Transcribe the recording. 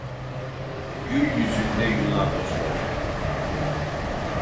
Gül yüzünde yuna dostlar.